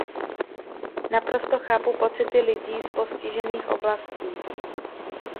Naprosto chápu pocity lidí z postižených oblastí.